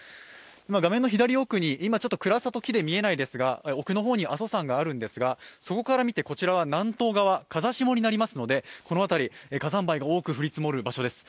画面の左奥に、今は暗さと木で見えないですが、奥の方に阿蘇山があるんですが、そこから見てこちらは南東側、風下になりますので、この辺り、火山灰が多く降り積もる場所です。